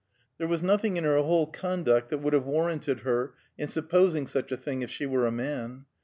There was nothing in her whole conduct that would have warranted her in supposing such a thing, if she were a man.